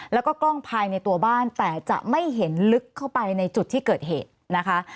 แล้วก็กล้องภายในตัวบ้านแต่จะไม่เห็นลึกเข้าไปในจุดที่เกิดเหตุนะคะ